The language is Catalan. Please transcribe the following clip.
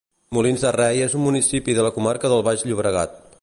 Molins de Rei és un municipi de la comarca del Baix Llobregat.